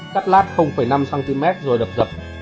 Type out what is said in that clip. cắt lát năm cm rồi đập dập